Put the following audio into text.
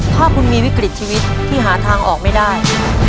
ถ้าคุณมีวิกฤตชีวิตที่หาทางออกไม่ได้